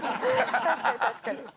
確かに確かに。